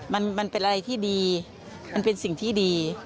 มันเป็นอะไรที่ดีมันเป็นสิ่งที่ดี